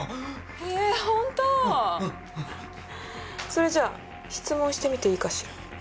それじゃ質問してみていいかしら？